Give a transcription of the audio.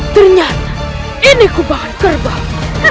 ternyata ini kubahan kerbang